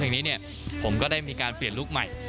แล้วก็เนี้ยผมก็ได้มีการเปลี่ยนลูกใหม่